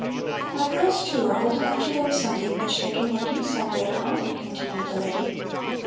"My girls, too, are old enough to learn something which they can make use of later on," continued the lady.